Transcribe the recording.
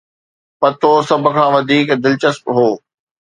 پتو سڀ کان وڌيڪ دلچسپ هو.